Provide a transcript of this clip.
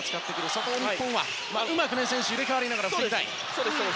そこを日本はうまく選手が入れ替わりながら防ぎたい。